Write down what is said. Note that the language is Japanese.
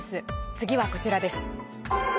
次はこちらです。